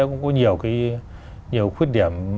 cũng có nhiều cái khuyết điểm